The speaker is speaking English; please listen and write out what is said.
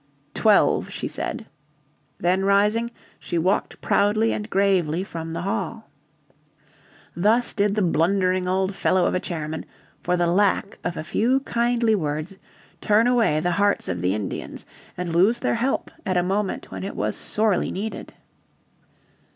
"Twelve," she said. Then rising, she walked proudly and gravely from the hall. Thus did the blundering old fellow of a chairman, for the lack of a few kindly words, turn away the hearts of the Indians, and lose their help at a moment when it was sorely needed.